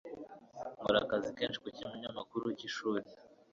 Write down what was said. Nkora akazi kenshi ku kinyamakuru cy'ishuri.